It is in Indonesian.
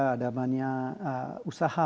ada banyak usaha